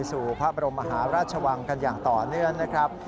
สู่พระบรมมหาราชวังกันอย่างต่อเนื่องนะครับ